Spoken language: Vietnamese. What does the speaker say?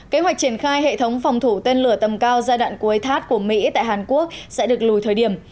kế hoạch triển khai hệ thống phòng thủ tên lửa tầm cao giai đoạn cuối thắt của mỹ tại hàn quốc sẽ được lùi thời điểm